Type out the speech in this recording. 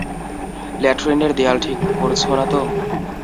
ল্যাট্রিনের দেয়াল ঠিক করছো না তো?